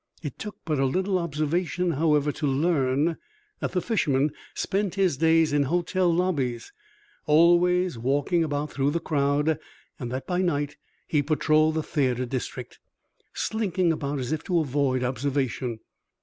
It took but little observation, however, to learn that the fisherman spent his days in hotel lobbies, always walking about through the crowd, and that by night he patrolled the theatre district, slinking about as if to avoid observation.